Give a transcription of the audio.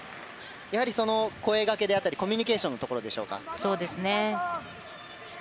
やはり声かけであったりコミュニケーションのそうですね。